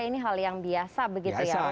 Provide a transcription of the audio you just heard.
ini hal yang biasa begitu ya